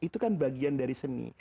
itu kan bagian dari seni